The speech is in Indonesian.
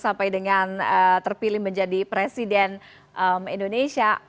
sampai dengan terpilih menjadi presiden indonesia